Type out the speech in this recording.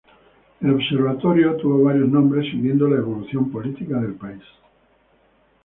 El observatorio tuvo varios nombres siguiendo la evolución política del país.